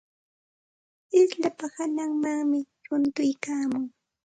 Slapa hananmanmi runtuykaamun.